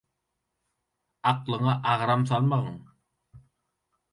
aklyňa agram salmagyň